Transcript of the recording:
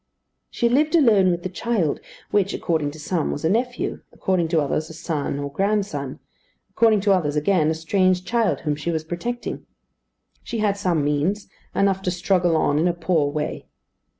She lived alone with the child, which, according to some, was a nephew; according to others, a son or grandson; according to others, again, a strange child whom she was protecting. She had some means; enough to struggle on in a poor way.